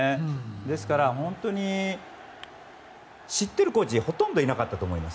ですから本当に知っているコーチほとんどいなかったと思います。